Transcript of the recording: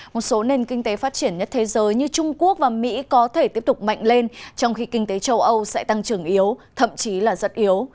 một số nền kinh tế phát triển nhất thế giới như trung quốc và mỹ có thể tiếp tục mạnh lên trong khi kinh tế châu âu sẽ tăng trưởng yếu thậm chí là rất yếu